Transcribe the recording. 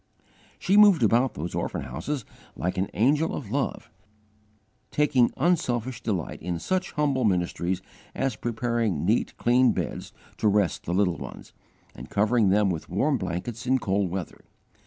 She moved about those orphan houses like an angel of Love, taking unselfish delight in such humble ministries as preparing neat, clean beds to rest the little ones, and covering them with warm blankets in cold weather.